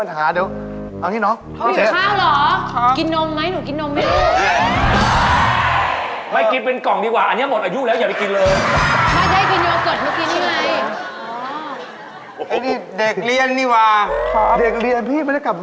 ตื่นเช้าครับไปโรงเรียนครับ